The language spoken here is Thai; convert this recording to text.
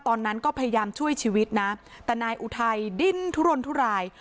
ตอนนั้นก็พยายามช่วยชีวิตนะแต่นายอุทัยดิ้นทุรนทุราย